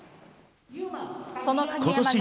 その鍵山が。